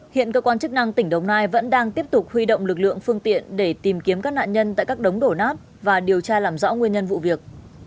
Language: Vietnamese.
hiện cơ quan chức năng tỉnh đồng nai vẫn đang tiếp tục huy động lực lượng phương tiện để tìm kiếm các nạn nhân tại các đống đổ nát và điều tra làm rõ nguyên nhân vụ việc